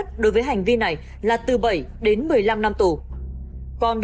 cái này một khay này bao cân